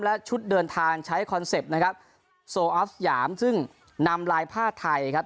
และชุดเดินทางใช้คอนเซ็ปต์นะครับโซออฟหยามซึ่งนำลายผ้าไทยครับ